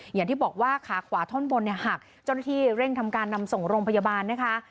อย่างที่บอกว่าขาขวาท่อนบนเนี่ยหักเจ้าหน้าที่เร่งทำการนำส่งโรงพยาบาลนะคะ